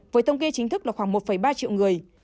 với thông kê chính thức là khoảng một ba triệu người